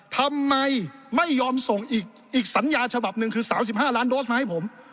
ทำไมไม่ยอมส่งอีกสัญญาฉบับหนึ่งคือ๓๕ล้านโดสมาให้ผม